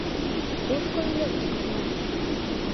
Кушко илен лектына?..